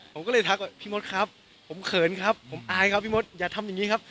ผมก็เลยทักว่าพี่มดครับผมเขินครับผมอายครับพี่มดอย่าทำอย่างนี้ครับ